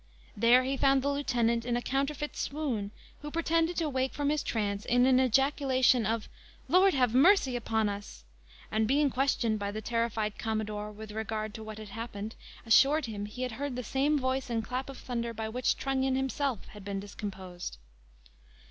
There he found the lieutenant in a counterfeit swoon, who pretended to wake from his trance in an ejaculation of "Lord have mercy upon us!" and being questioned by the terrified commodore with regard to what had happened, assured him he had heard the same voice and clap of thunder by which Trunnion himself had been discomposed.